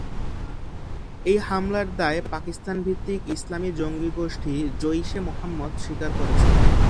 এই হামলার দায় পাকিস্তান-ভিত্তিক ইসলামী জঙ্গি গোষ্ঠী জইশ-ই-মুহাম্মদ স্বীকার করেছে।